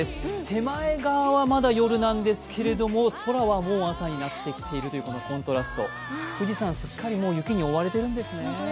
手前側はまだ夜なんですが空はもう朝になってきているという、このコントラスト、富士山、すっかり雪に覆われているんですね。